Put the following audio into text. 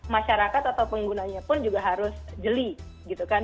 masyarakat atau penggunanya pun juga harus jeli gitu kan